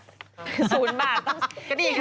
ศูนย์บาทก็ดีกว่า